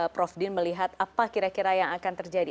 prof din melihat apa kira kira yang akan terjadi